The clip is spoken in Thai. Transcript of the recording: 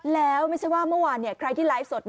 แล้วไม่ใช่ว่าเมื่อวานใครที่ไลฟ์สด